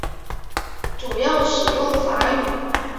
主要使用法语。